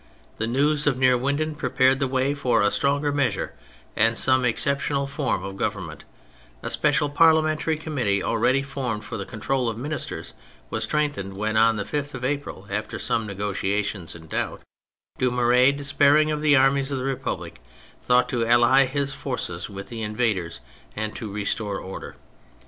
The news of Neerwinden prepared the way for a stronger measure and some exceptional form of government ; a special Parliament ary committee already formed for the control of ministers was strengthened when, on the 5th of April, after some negotia tion and doubt, Dumouriez, despairing of the armies of the Republic, thought to ally his forces with the invaders and to restore order.